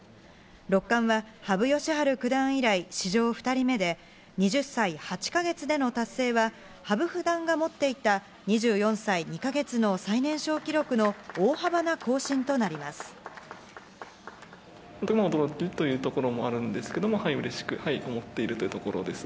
六冠は、羽生善治九段以来史上２人目で、２０歳８か月での達成は、羽生九段が持っていた２４歳２か月の最年少記録の大幅な更新とな驚きというところもあるんですけども、はい、うれしく思っているというところです。